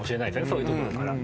そういうところから。